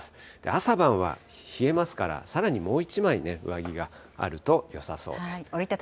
朝晩は冷えますから、さらにもう１枚上着があるとよさそうです。